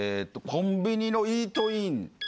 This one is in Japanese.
コンビニのイートイン。